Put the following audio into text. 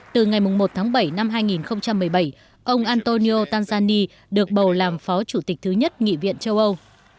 từ ngày một tháng bảy năm hai nghìn một mươi bảy ông antonio tanzani được bầu làm phó chủ tịch thứ nhất nghị viện châu âu